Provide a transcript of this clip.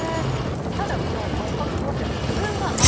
ただこの圧迫骨折